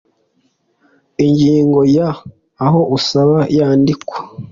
Ingingo ya aho usaba yandikwa